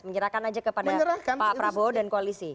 menyerahkan aja kepada pak prabowo dan koalisi